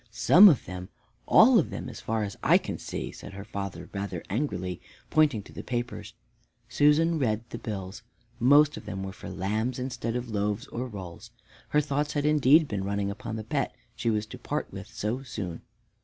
"Some of them! All of them as far as I can see," said her father rather angrily, pointing to the papers. Susan read the bills. Most of them were for lambs instead of for loaves or rolls. Her thoughts had indeed been running upon the pet she was to part with so soon.